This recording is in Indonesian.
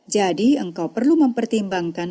jadi engkau perlu mempertimbangkan